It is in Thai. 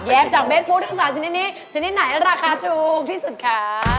จากเบสฟู้ดทั้ง๓ชนิดนี้ชนิดไหนราคาถูกที่สุดคะ